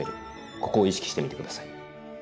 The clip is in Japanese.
ここを意識してみて下さい。